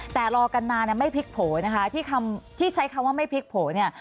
แต่รอกันนานไม่พลิกโผล่นะคะที่ใช้คำว่าไม่พลิกโผล่เนี่ย